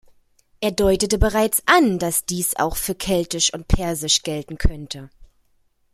Er deutete bereits an, dass dies auch für Keltisch und Persisch gelten könnte.